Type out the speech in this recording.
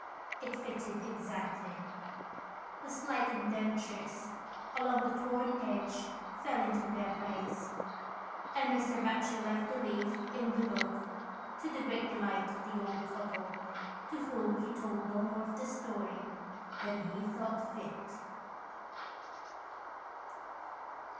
It fitted exactly. The slight indentures along the torn edge fell into their place, and Mr. Batchel left the leaf in the book, to the great delight of the old couple, to whom he told no more of the story than he thought fit.